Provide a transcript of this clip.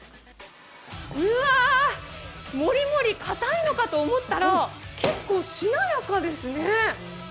うわ、モリモリかたいのかと思ったら、結構しなやかですね。